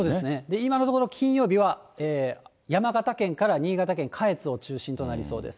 今のところ、金曜日は山形県から新潟県下越を中心となりそうです。